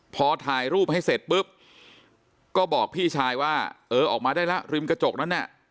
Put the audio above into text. พอถ่ายรูปให้เสร็จปุ๊บก็บอกพี่ชายว่าเออออกมาได้แล้วริมกระจกนั้นน่ะ